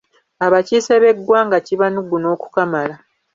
Abakiise b’eggwanga kibanuguna okukamala.